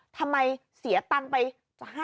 ทำไมเสียเงินไป๕๐๐๐อะคะ